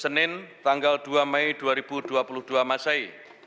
senin tanggal dua mei dua ribu dua puluh dua masai